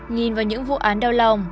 nhìn vào những vụ án đau lòng